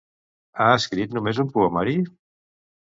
Ha escrit només un poemari?